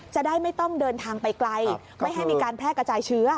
จะได้ไม่ต้องเดินทางไปไกลไม่ให้มีการแพร่กระจายเชื้อ